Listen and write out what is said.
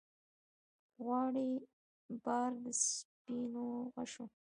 غواړي بار د سپینو غشو